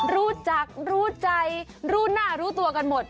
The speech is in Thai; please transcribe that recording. รู้จักรู้ใจรู้หน้ารู้ตัวกันหมด